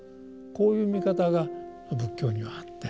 こういう見方が仏教にはあって。